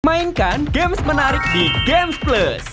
mainkan games menarik di gamesplus